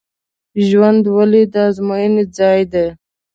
ژوند ولې د ازموینې ځای دی؟